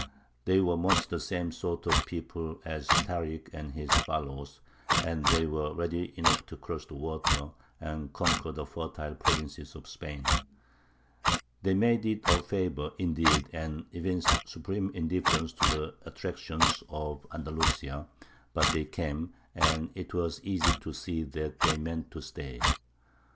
They were much the same sort of people as Tārik and his followers, and they were ready enough to cross the water and conquer the fertile provinces of Spain. They made it a favour, indeed, and evinced supreme indifference to the attractions of Andalusia; but they came, and it was easy to see that they meant to stay.